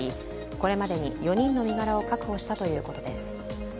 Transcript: これまでに４人の身柄を確保したということです。